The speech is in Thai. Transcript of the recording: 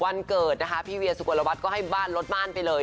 วันเกิดนะคะพี่เวียสุกลวัฒน์ก็ให้บ้านรถม่านไปเลย